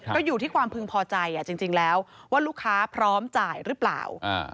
ก็อยู่ที่ความพึงพอใจจริงแล้วว่าลูกค้าพร้อมจ่ายหรือเปล่า